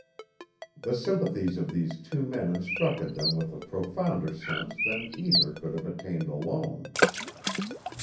The sympathies of these two men instructed them with a profounder sense than either could have attained alone.